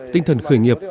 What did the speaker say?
tinh thần khởi nghiệp